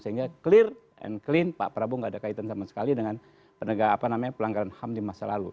sehingga clear and clean pak prabowo gak ada kaitan sama sekali dengan pelanggaran ham di masa lalu